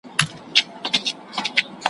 یوه حاجي مي را په شا کړله د وریجو بوجۍ `